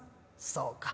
「そうか。